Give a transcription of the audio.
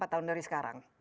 tiga empat tahun dari sekarang